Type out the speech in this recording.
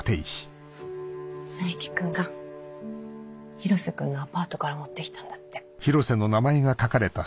冴木君が広瀬君のアパートから持って来たんだって。